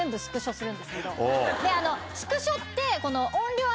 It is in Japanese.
スクショって。